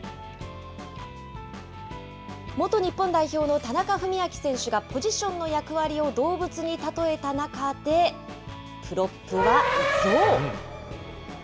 元日本代表の田中史朗選手がポジションの役割を動物に例えた中で、プロップはゾウ。